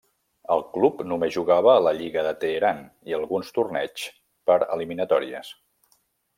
El club només jugava a la Lliga de Teheran i alguns torneigs per eliminatòries.